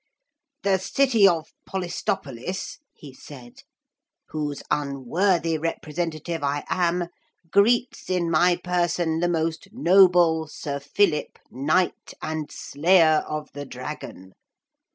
'The City of Polistopolis,' he said, 'whose unworthy representative I am, greets in my person the most noble Sir Philip, Knight and Slayer of the Dragon.